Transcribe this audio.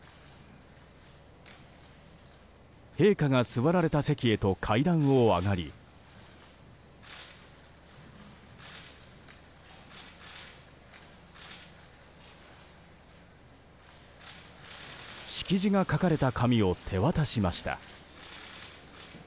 陛下が座られた席へと階段を上がり式辞が書かれた紙を手渡しました。